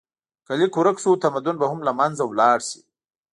که لیک ورک شو، تمدن به هم له منځه لاړ شي.